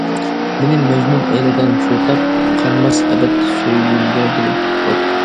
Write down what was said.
مېنى مەجنۇن ئەيلىدىڭ شۇ تاپ، قانماس ئەبەد سۆيگۈڭگە دىلىم.